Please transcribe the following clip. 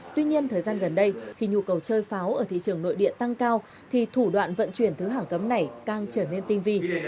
tuy nhiên thời gian gần đây khi nhu cầu chơi pháo ở thị trường nội địa tăng cao thì thủ đoạn vận chuyển thứ hạng cấm này càng trở nên tinh vi